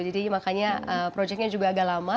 jadi makanya project nya juga agak lama